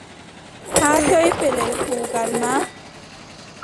Haa toy pellel kuugal ma ?